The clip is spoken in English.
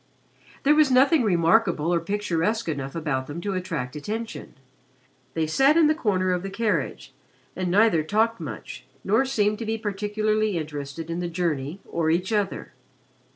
There was nothing remarkable or picturesque enough about them to attract attention. They sat in the corner of the carriage and neither talked much nor seemed to be particularly interested in the journey or each other.